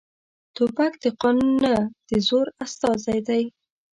توپک د قانون نه، د زور استازی دی.